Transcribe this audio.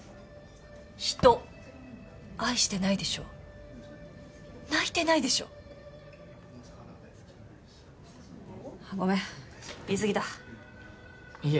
人愛してないでしょ泣いてないでしょあっごめん言いすぎたいえ